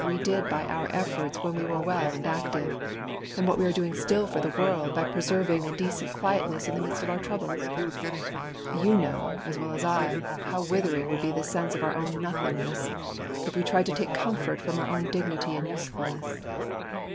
we did; by oiir efforts when we were welf and. active, and what we iEtre doing still for the world, foy preserving a decent quietness in the midst of our troubles. You know, as well as Iv'.how withering would be the sense of our own nothingness, if we tried to take comfort from our own dignity and usefulness.